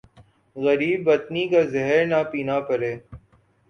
غریب الوطنی کا زہر نہ پینا پڑے